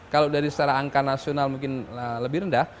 kalau dari secara angka nasional mungkin lebih rendah